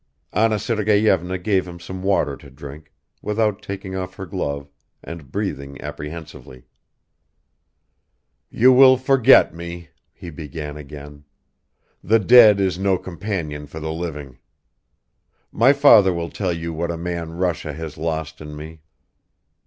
Anna Sergeyevna gave him some water to drink, without taking off her glove and breathing apprehensively. "You will forget me," he began again. "The dead is no companion for the living. My father will tell you what a man Russia has lost in me